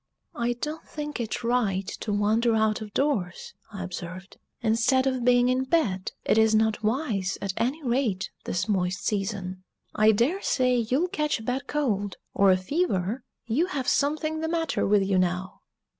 "I don't think it right to wander out of doors," I observed, "instead of being in bed; it is not wise, at any rate, this moist season. I daresay you'll catch a bad cold, or a fever you have something the matter with you now!"